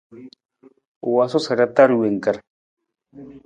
U wosu sa ra taar wangkar.